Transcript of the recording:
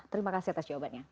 terima kasih atas jawabannya